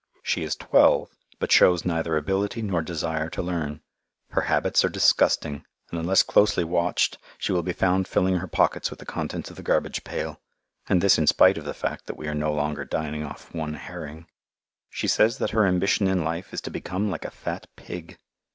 She is twelve, but shows neither ability nor desire to learn. Her habits are disgusting, and unless closely watched she will be found filling her pockets with the contents of the garbage pail and this in spite of the fact that we are no longer dining off one herring. She says that her ambition in life is to become like a fat pig!